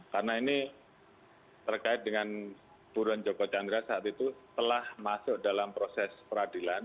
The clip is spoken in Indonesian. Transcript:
karena ini terkait dengan buron joko chandra saat itu telah masuk dalam proses peradilan